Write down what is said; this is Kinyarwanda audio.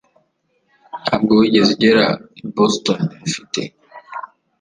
Ntabwo wigeze ugera i Boston ufite